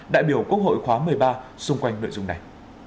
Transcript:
đại biểu quốc hội khóa một mươi ba xung quanh nội dung này